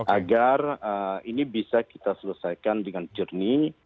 agar ini bisa kita selesaikan dengan jernih